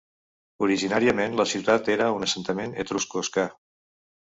Originàriament, la ciutat era un assentament etrusco-oscà.